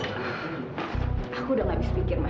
aku udah gak bisa pikir mak